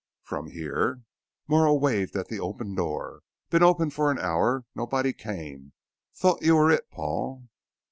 "From here?" Morrow waved at the open door. "Been open for an hour. Nobody came. Thought you were it, Paul."